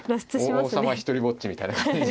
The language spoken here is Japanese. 王様が独りぼっちみたいな感じで。